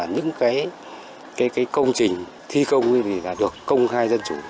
những công trình thi công được công khai dân chủ